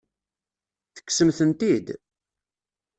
Tekksemt-tent-id?